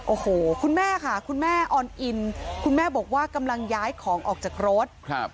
โอ้โหคุณแม่ค่ะคุณแม่ออนอินคุณแม่บอกว่ากำลังย้ายของออกจากรถครับ